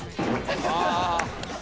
ああ。